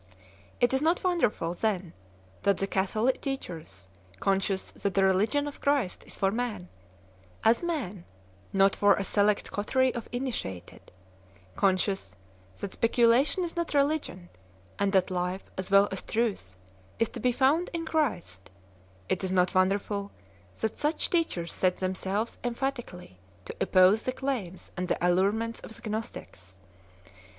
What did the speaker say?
It is iiot wonderful then that the Catholic teachers, conscious that the religion of Christ is for man, as man, not for a select coterie of initiated; conscious that speculation is not religion, and that life, as well as truth, is to be found in Christ; it is not wonder ful that such teachers set themselves emphatically to oppose the claims and the allurements of the Gnostics.